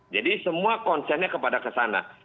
jadi semua konsennya kepada kesana